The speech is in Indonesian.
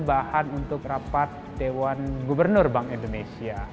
bahan untuk rapat dewan gubernur bank indonesia